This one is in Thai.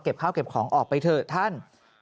ข้าวเก็บของออกไปเถอะท่าน